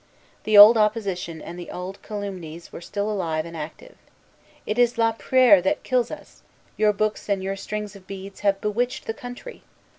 The old opposition and the old calumnies were still alive and active. "It is la prière that kills us. Your books and your strings of beads have bewitched the country.